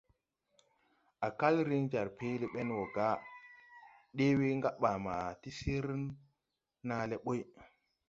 Á kal riŋ jar peelé ɓeŋ wɔ ga: « ɗee we gaɓaŋ ma ti sir naa le ɓuy ».